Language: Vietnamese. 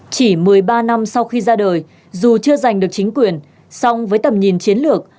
chỉ một mươi ba năm sau khi ra đời dù chưa giành được chính quyền song với tầm nhìn chiến lược